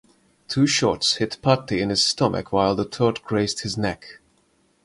Two shots hit Patti in his stomach while the third grazed his neck.